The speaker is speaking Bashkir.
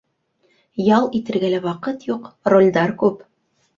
Ял итергә лә ваҡыт юҡ, ролдәр күп.